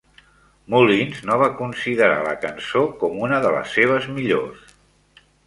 Mullins no va considerar la cançó com una de les seves millors.